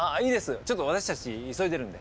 ちょっと私たち急いでるんで。